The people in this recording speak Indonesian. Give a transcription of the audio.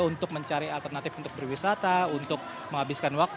untuk mencari alternatif untuk berwisata untuk menghabiskan waktu